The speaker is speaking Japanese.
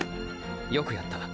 よくやった。